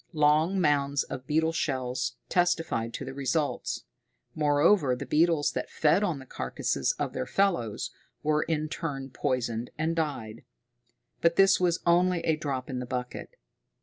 Long mounds of beetle shells testified to the results; moreover, the beetles that fed on the carcasses of their fellows, were in turn poisoned and died. But this was only a drop in the bucket.